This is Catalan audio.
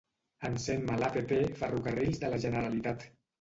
Encén-me l'app Ferrocarrils de la Generalitat.